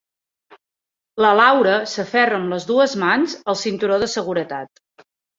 La Laura s'aferra amb les dues mans al cinturó de seguretat.